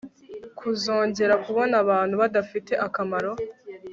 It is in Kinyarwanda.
kuzongera kubona abantu badafite akamaro